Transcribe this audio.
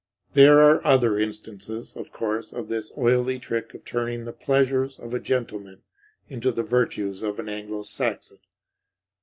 There are other instances, of course, of this oily trick of turning the pleasures of a gentleman into the virtues of an Anglo Saxon.